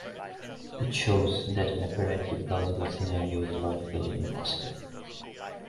It shows that an apparently plausible scenario is logically impossible.